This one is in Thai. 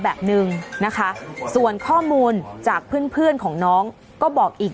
แบบนึงนะคะส่วนข้อมูลจากเพื่อนเพื่อนของน้องก็บอกอีก